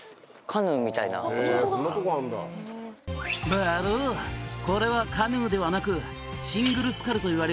「バロこれはカヌーではなく」